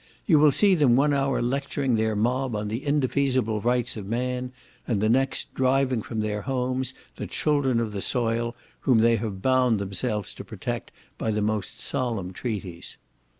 You will see them one hour lecturing their mob on the indefeasible rights of man, and the next driving from their homes the children of the soil, whom they have bound themselves to protect by the most solemn treaties.